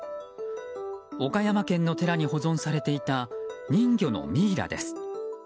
岡山県の寺に保存されていた人魚のミイラです。